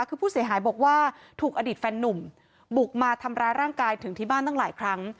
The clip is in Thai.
คือผู้เสียหายบอกว่าถูกอดีตแฟนนุ่มบุกมาทำร้ายร่างกายถึงที่บ้านตั้งหลายครั้ง